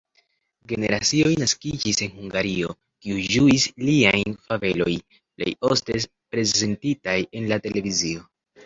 Generacioj naskiĝis en Hungario, kiuj ĝuis liajn fabelojn, plej ofte prezentitaj en la televizio.